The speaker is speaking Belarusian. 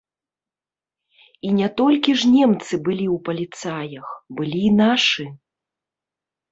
І не толькі ж немцы былі ў паліцаях, былі і нашы.